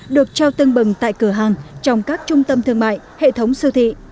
được trao tương bừng tại cửa hàng trong các trung tâm thương mại hệ thống siêu thị